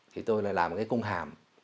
thì tôi lại làm cái công hàm